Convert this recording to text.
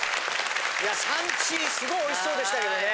いやサンチーすごいおいしそうでしたけどね。